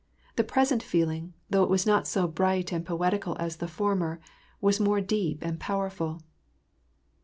The present feeling, though it was not so bright and poetical as the former, was more deep and powerful.